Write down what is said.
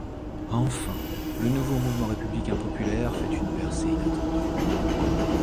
Enfin, le nouveau Mouvement républicain populaire fait une percée inattendue.